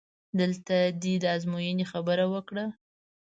دلته دې د ازموینې خبره وکړه؟!